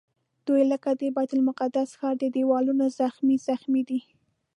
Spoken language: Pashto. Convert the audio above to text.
دوی لکه د بیت المقدس ښار د دیوالونو زخمي زخمي دي.